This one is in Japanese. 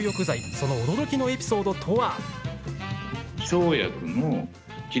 その驚きのエピソードとは？